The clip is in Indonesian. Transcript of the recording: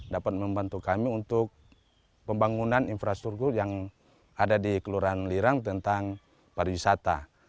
dapat membantu kami untuk pembangunan infrastruktur yang ada di kelurahan lirang tentang pariwisata